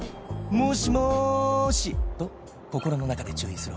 もしもしと心の中で注意する